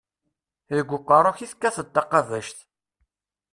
Deg uqerru-k i tekkateḍ taqabact.